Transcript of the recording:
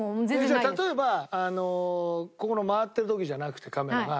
じゃあ例えばここの回ってる時じゃなくてカメラが。